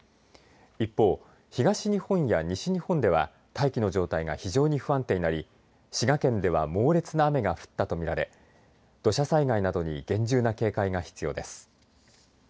一方、東日本や西日本では大気の状態が非常に不安定になり滋賀県では猛烈な雨が降ったと見られ土砂災害などに厳重な警戒が必要です。